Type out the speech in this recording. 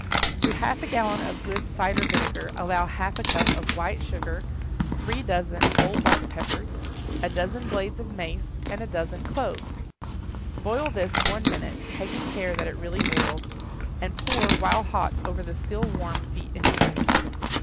To half a gallon of good cider vinegar allow half a cup of white sugar, three dozen whole black peppers, a dozen blades of mace, and a dozen cloves. Boil this one minute, taking care that it really boils, and pour while hot over the still warm feet and ears.